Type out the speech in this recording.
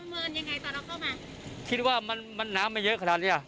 เมินยังไงตอนเราเข้ามาคิดว่ามันมันน้ำไม่เยอะขนาดเนี้ย